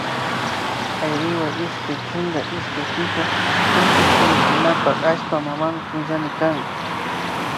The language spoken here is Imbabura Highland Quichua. Ayriwa ishkay chunka ishkay pika tukuy suyukunapak allpa mama punllami kan